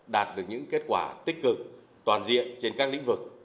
đạt được những kết quả tích cực toàn diện trên các lĩnh vực